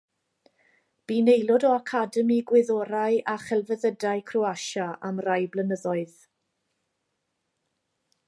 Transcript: Bu'n aelod o Academi Gwyddorau a Chelfyddydau Croasia am rai blynyddoedd.